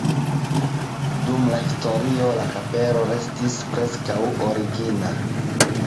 Dum la historio la kapelo restis preskaŭ origina.